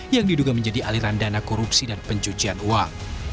yang diduga menjadi aliran dana korupsi dan pencucian uang